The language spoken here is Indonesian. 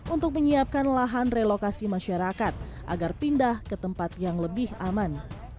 untuk menyiapkan lahan relokasi masyarakat agar pindah ke tempat yang lebih aman